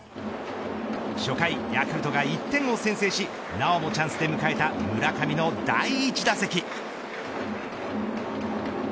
初回ヤクルトが１点を先制しなおもチャンスで迎えた村上の第１打席。